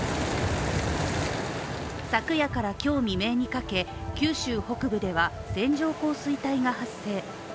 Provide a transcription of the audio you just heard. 昨夜から今日未明にかけ、九州北部では線状降水帯が発生。